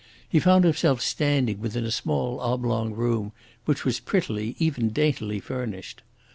He found himself standing within a small oblong room which was prettily, even daintily, furnished.